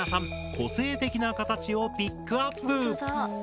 個性的な形をピックアップ！